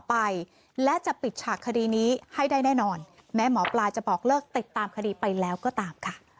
ไม่ผิดไม่ผิดพระเจ้าพระเจ้า